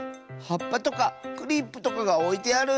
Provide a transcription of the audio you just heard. はっぱとかクリップとかがおいてある。